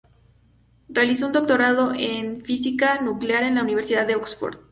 Realizó un doctorado en física nuclear en la Universidad de Oxford.